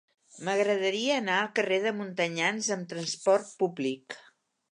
M'agradaria anar al carrer de Montanyans amb trasport públic.